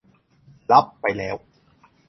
รับไปแล้ว